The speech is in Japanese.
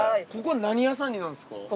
ここ何屋さんになんですか？